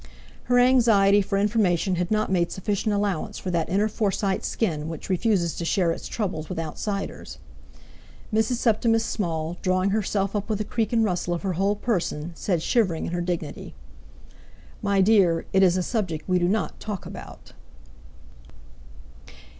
Her anxiety for information had not made sufficient allowance for that inner Forsyte skin which refuses to share its troubles with outsiders. Mrs. Septimus Small, drawing herself up with a creak and rustle of her whole person, said, shivering in her dignity: "My dear, it is a subject we do not talk about!"